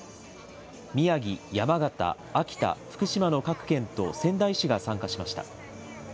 宮城、山形、秋田、福島の各県と仙台市が参加しました。